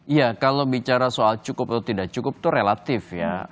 iya kalau bicara soal cukup atau tidak cukup itu relatif ya